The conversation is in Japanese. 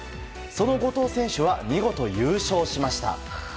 その後藤選手は見事、優勝しました。